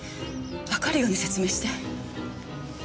わかるように説明して。